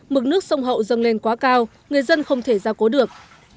mức nước sông hậu dâng lên quá cao người dân không thể gia cố được